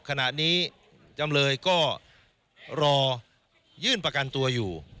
ขณะนี้จำเลยก็รอยื่นประกันตัวอยู่